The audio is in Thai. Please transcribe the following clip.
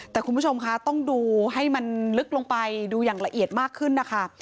แต่คุณผู้ชมคะต้องดูให้มันลึกลงไปดูอย่างละเอียดมากขึ้นนะคะ